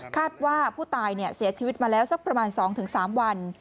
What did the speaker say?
คาดว่าผู้ตายเสียชีวิตมาแล้วสักประมาณ๒๓วัน